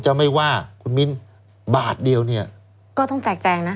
จะไม่ว่าคุณมิ้นบาทเดียวเนี่ยก็ต้องแจกแจงนะ